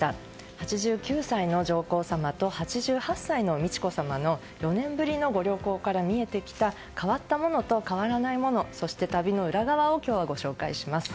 ８９歳の上皇さまと８８歳の美智子さまの４年ぶりのご旅行から見えてきた変わったものと変わらないものそして旅の裏側を今日はご紹介します。